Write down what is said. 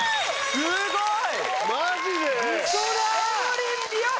・すごい！